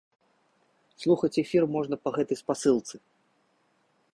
Слухаць эфір можна па гэтай спасылцы.